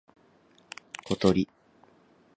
ことり